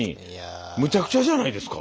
むちゃくちゃじゃないですか。